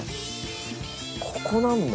ここなんだ！